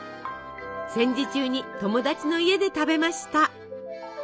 戦時中に友達の家で食べました。